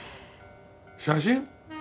写真？